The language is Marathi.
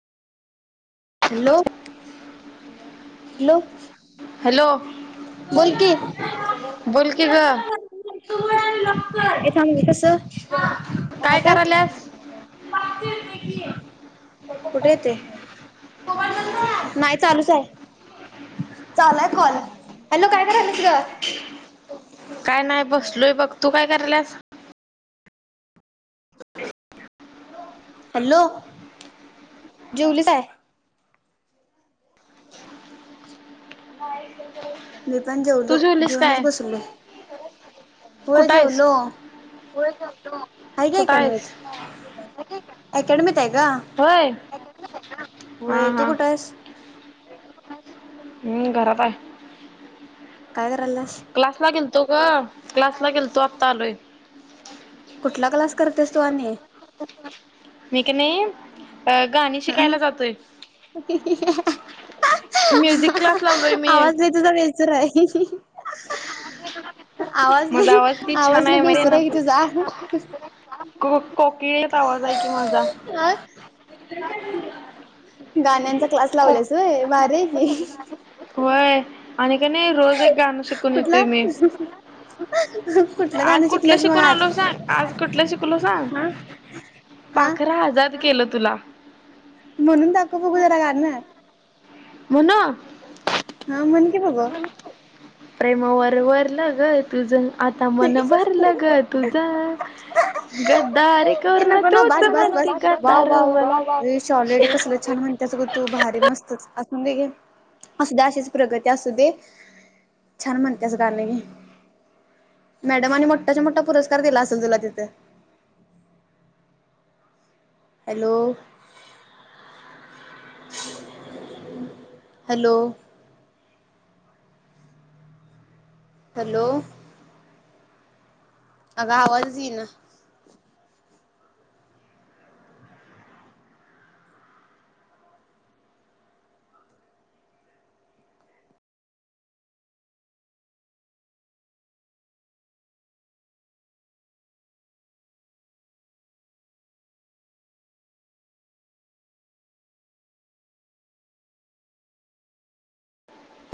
Hello hello. हॅलो. बोल की. बोल की ग पुढचं उघड, अनलॉक कर. ये थांब गं कसं? हा. काय आता? पाच करायल्यास चं येतंय की. कुठे येतोय? मोबाईल बंद आहे? नाही, चालूच आहे. चालु आहे, कॉल. हॅलो, काय करालीस गं? काय नाही, बसलोय बघ. तू काय करायल्यास? हॅलो, जेवली काय? नाही. [unintelligible] मी पण जेवलो, जेऊनच बसलो. होय, जेवलो. होय, जेवलो. आहे की कुठं अकॅडमीत आहेस? [unintelligible] अकॅडमीत आहे का होय? हा होय तू हा. कुठं आहेस हम्म, घरात आहे. काय करल्यास? क्लासला गेलतो गं, क्लासला गेलतो. आत्ता आलोय. कुठला क्लास करतेस तू आणि? मी कणी गाणी शिकायला जातोय. [inaudible] म्युझिक क्लास लावलोय मी. तुला वेलसर आहे. [inaudible] आवाज माझा लई किती छान आवाज लई माहिती बेसूर ना आहे तू. की तुझा. को कोकिळेगत आवाज आहे की माझा. अ [inaudible] गाण्यांचा क्लास को लावल्यास व्हय भारी हाय की. होय आणि का नाही रोज एक गाणं शिकून कुठला येतोय मी. कुठलं आज गाणं कुठलं शिकल्यास मग शिकून आज? आलो सांग, आज कुठलं शिकलो सांग? हा हा पाखरा आजाद केलं तुला. म्हणून दाखव बघू जरा गाणं. म्हणु. हा म्हण की बघू. प्रेमावर वरल तुझ आता मन भरल ग तुझा [inaudible] गद्दार ए करण नको ना तूच बास बास बास म्हणती वाव गदार वाव मला. तसं ग तू भारी मस्तच, असून दे घे, असू देय अशीच प्रगती असू दे. छान म्हणत्यास गाणे. मॅडमने मोठाच-मोठा पुरस्कार दिला असेल तुला तिथे. हॅलो. [inaudible] [inaudible] हॅलो. हॅलो. अग आवाजच येईना.